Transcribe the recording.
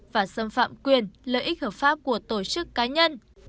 và xâm phạm quyền lợi ích hợp pháp của tổ chức cá nhân